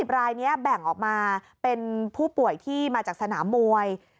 รายนี้แบ่งออกมาเป็นผู้ป่วยที่มาจากสนามมวย